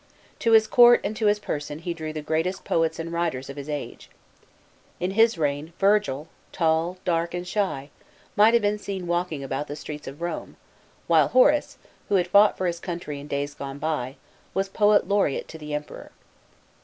To his Court and to his person he drew the greatest poets and writers of his age. In his reign Virgil, tall, dark, and shy, might have been seen walking about the streets of Rome, while Horace, who had fought for his country in days gone by, was poet laureate to the emperor.